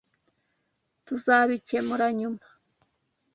Tuzabikemura nyuma.